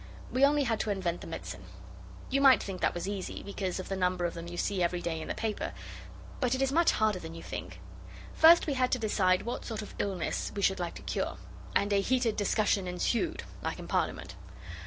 We only had to invent the medicine. You might think that was easy, because of the number of them you see every day in the paper, but it is much harder than you think. First we had to decide what sort of illness we should like to cure, and a 'heated discussion ensued', like in Parliament.